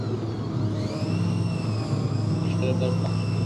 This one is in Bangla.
বেশ্যাটা তার পাশে তো নয়ই বরং উপরে বসে ছিল।